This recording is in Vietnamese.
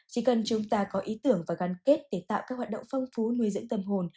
chỉ cần chúng ta có ý tưởng và gắn kết để tạo các hoạt động phong phú nuôi dưỡng tâm hồn